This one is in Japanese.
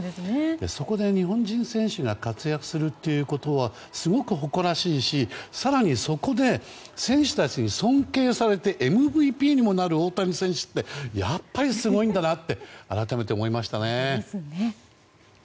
そこで日本人選手が活躍するということはすごく誇らしいし更にそこで選手たちに尊敬されてＭＶＰにもなる大谷選手ってやっぱりすごいんだなって改めて思いましたね。